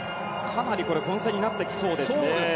かなり混戦になってきそうです。